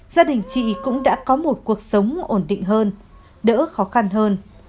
gia đình chị cũng đã có một cuộc sống ổn định hơn đỡ khó khăn hơn